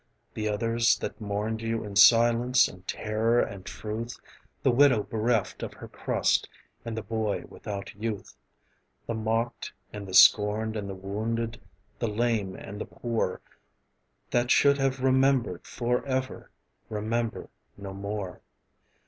The others, that mourned you in silence and terror and truth, The widow bereft of her crust, and the boy without youth, The mocked and the scorned and the wounded, the lame and the poor, That should have remembered forever, ... remember no more.